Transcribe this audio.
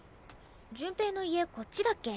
潤平の家こっちだっけ？